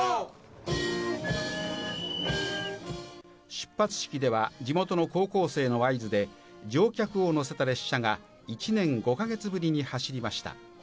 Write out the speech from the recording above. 出発式では地元の高校生の合図で乗客を乗せた列車が１年５か月ぶりに走りました。